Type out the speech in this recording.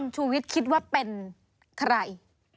ชูวิทย์คิดว่าเป็นใคร